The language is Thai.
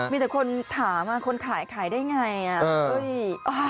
มีแต่คนถามว่าคนขายขายได้อย่างไร